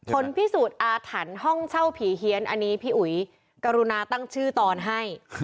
ผลพิสูจน์อาถรรพ์ห้องเช่าผีเฮียนอันนี้พี่อุ๋ยกรุณาตั้งชื่อตอนให้